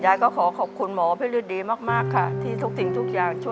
ยายก็ขอขอบคุณหมออภิรดิมากค่ะ